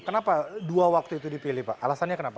kenapa dua waktu itu dipilih pak alasannya kenapa